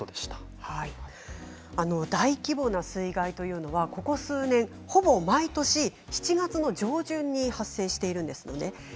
大規模な水害というのは、ここ数年ほぼ毎年７月上旬に発生しています。